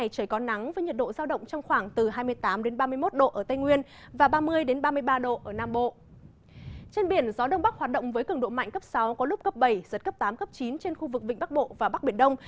trên biển gió đông bắc hoạt động với cường độ mạnh cấp sáu có lúc cấp bảy giật cấp tám cấp chín trên khu vực vịnh bắc bộ và bắc biển đông